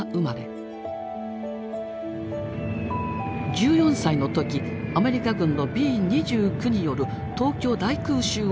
１４歳の時アメリカ軍のＢ２９による東京大空襲を経験します。